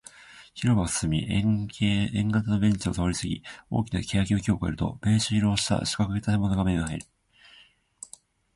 広場を進み、円形のベンチを通りすぎ、大きな欅の木を越えると、ベージュ色をした四角い建物が目に入る